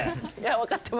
分かってます。